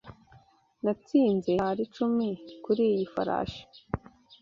Natsinze amadorari icumi kuri iyo farashi.